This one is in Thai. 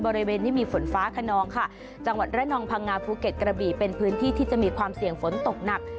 บริเวณที่มีฝนฟ้าขนองค่ะจังหวัดระนองพังงาภูเก็ตกระบี่เป็นพื้นที่ที่จะมีความเสี่ยงฝนตกหนัก